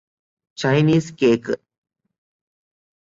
Chinese cake